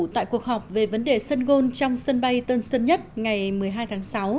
tại cuộc họp về vấn đề sân gôn trong sân bay tân sơn nhất ngày một mươi hai tháng sáu